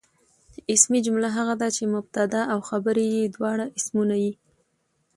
اسمي جمله هغه ده، چي مبتدا او خبر ئې دواړه اسمونه يي.